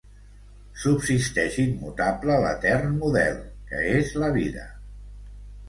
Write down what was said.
Subsisteix immutable l'etern model, que és la vida